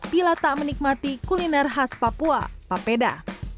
bila tak menikmati kuliner khas papua papeda